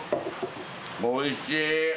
おいしい。